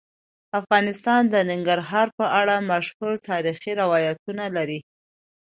افغانستان د ننګرهار په اړه مشهور تاریخی روایتونه لري.